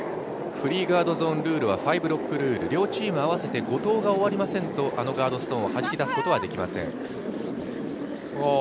フリーガードゾーンルールはファイブロックルール、両チーム合わせて５投が終わりませんとあのガードストーンをはじき出すことはできません。